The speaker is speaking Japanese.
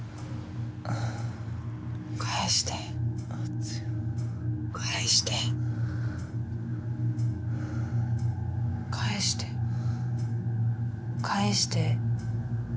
「返して返して返して返して」。